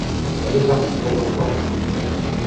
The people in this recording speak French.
Elle est partie pour longtemps.